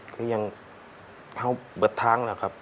ก็ยังเท่าบททางนะครับ